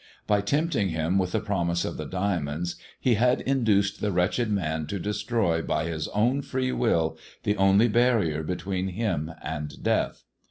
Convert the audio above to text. By tempting him with the promise of the diamonds, he had induced the wretched man to destroy, by his own free will, the only barrier between him and death.